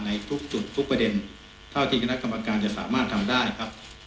ในทุกจุดทุกประเด็นเท่าที่คณะกรรมการจะสามารถทำได้ครับ